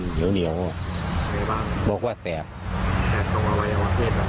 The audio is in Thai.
เหนียวเหนียวไหนบ้างบอกว่าแสบแสบตรงบริเวณความเทศแบบ